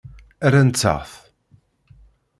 Rrant-aɣ-t.